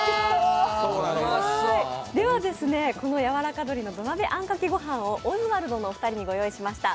このやわらか鶏の土鍋あんかけ御飯をオズワルドのお二人にご用意しました。